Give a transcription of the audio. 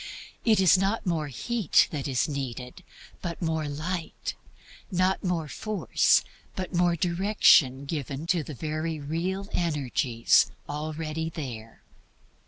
It is not more heat that is needed, but more light; not more force, but a wiser direction to be given to very real energies already there.